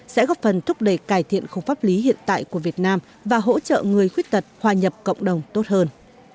sẽ góp phần thúc đẩy cải thiện không pháp lý hiện tại của việt nam và hỗ trợ người khuyết tật hòa nhập cộng đồng tốt hơn